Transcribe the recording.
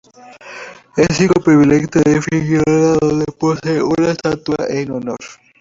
Es hijo predilecto de Fuengirola donde posee una estatua en su honor.